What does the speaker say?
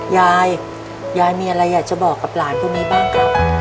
ยายยายมีอะไรอยากจะบอกกับหลานพวกนี้บ้างครับ